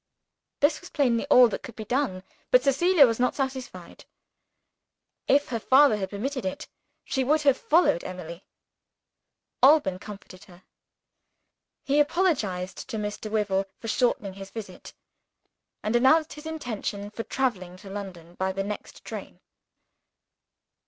This was plainly all that could be done but Cecilia was not satisfied. If her father had permitted it, she would have followed Emily. Alban comforted her. He apologized to Mr. Wyvil for shortening his visit, and announced his intention of traveling to London by the next train.